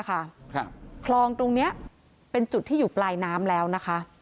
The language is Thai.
คลองตรงนี้เป็นจุดที่อยู่ปลายน้ำแล้วนะคะ